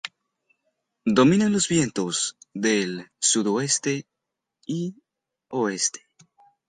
Dominan los vientos del sudoeste y oeste.